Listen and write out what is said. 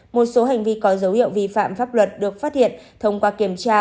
một số hành vi có dấu hiệu vi phạm pháp luật được phát hiện thông qua kiểm tra